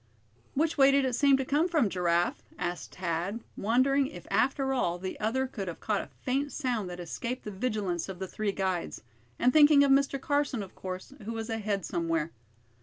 "Which way did it seem to come from, Giraffe?" asked Thad, wondering if after all the other could have caught a faint sound that escaped the vigilance of the three guides; and thinking of Mr. Carson, of course, who was ahead somewhere.